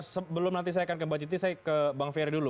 sebelum nanti saya akan kembali ke bang ferry dulu